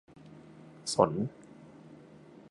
สน